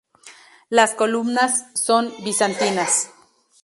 Las columnas son bizantinas.